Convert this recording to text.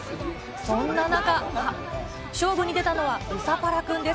そんな中、勝負に出たのはウサパラくんです。